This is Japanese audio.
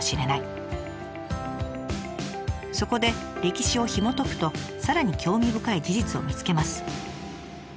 そこで歴史をひもとくとさらに興味深い事実を見つけます。